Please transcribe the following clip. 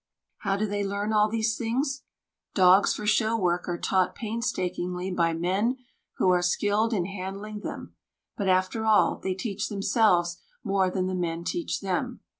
How do they learn all these things? Dogs for show work are taught painstakingly by men who are skilled in handling them; but, after all, they teach themselves more than the men teach them.